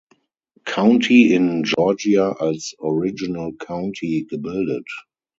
County in Georgia als Original County gebildet.